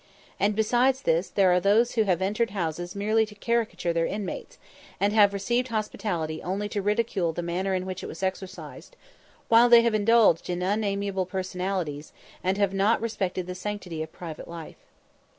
And, besides this, there are those who have entered houses merely to caricature their inmates, and have received hospitality only to ridicule the manner in which it was exercised, while they have indulged in unamiable personalities, and have not respected the sanctity of private life.